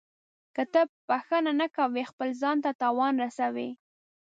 • که ته بښنه نه کوې، خپل ځان ته تاوان رسوې.